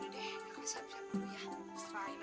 yaudah deh kakak siap siap dulu ya